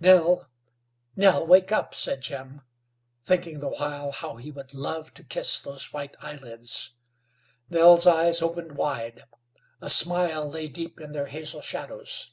"Nell, Nell, wake up," said Jim, thinking the while how he would love to kiss those white eyelids. Nell's eyes opened wide; a smile lay deep in their hazel shadows.